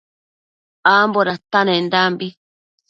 Ambo datanendanbi